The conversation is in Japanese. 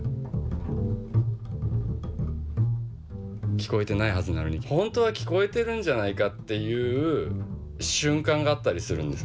聞こえてないはずなのにほんとは聞こえてるんじゃないかっていう瞬間があったりするんです。